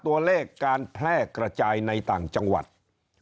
ตัวเลขการแพร่กระจายในต่างจังหวัดมีอัตราที่สูงขึ้น